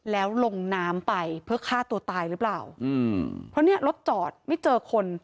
แล้วลงน้ำไปเพื่อฆ่าตัวตายหรือเปล่าอืมเพราะเนี้ยรถจอดไม่เจอคน